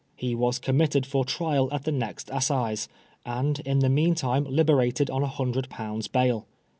He was committed for trial at the next assizes, and in the meantime liberated on a hundred pounds bail.